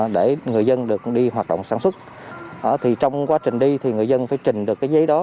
để người dân được đi hoạt động sản xuất thì trong quá trình đi thì người dân phải trình được cái giấy đó